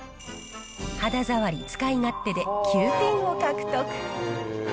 肌触り、使い勝手で９点を獲得。